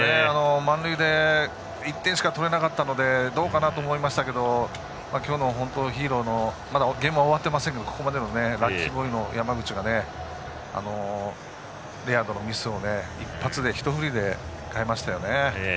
満塁で１点しか取れなかったのでどうかなと思いましたけどもゲームはまだ終わっていませんがここまでのラッキーボーイの山口が、レアードのミスを一振りで変えましたよね。